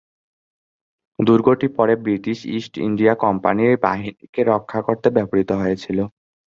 দুর্গটি পরে British East India Company বাহিনীকে রক্ষা করতে ব্যবহৃত হয়েছিল।